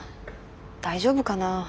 大丈夫かな？